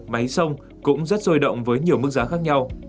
máy sông cũng rất sôi động với nhiều mức giá khác nhau